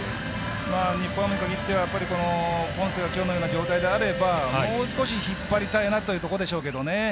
日本ハムにかぎってはポンセがきょうのような状態であればもう少し引っ張りたいなというところでしょうけどね。